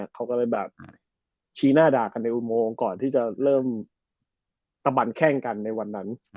เขาก็เลยแบบชี้หน้าด่ากันในอุโมงก่อนที่จะเริ่มตะบันแข้งกันในวันนั้น